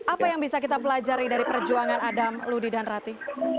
apa yang bisa kita pelajari dari perjuangan adam ludi dan rati